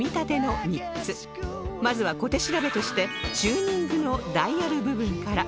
まずは小手調べとしてチューニングのダイヤル部分から